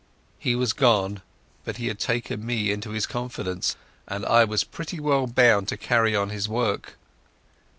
He was gone, but he had taken me into his confidence, and I was pretty well bound to carry on his work.